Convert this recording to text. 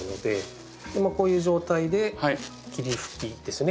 こういう状態で霧吹きですね。